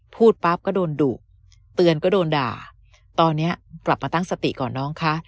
พูดปั๊บก็โดนดุเตือนก็โดนด่าตอนนี้กลับมาตั้งสติก่อนน้องคะ